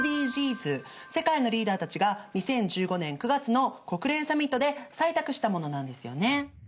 世界のリーダーたちが２０１５年９月の国連サミットで採択したものなんですよね。